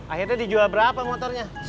akhirnya dijual berapa motornya